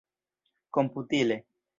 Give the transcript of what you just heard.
komputile